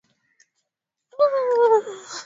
Kuharibia kwanza alikuwa wa Nyeri.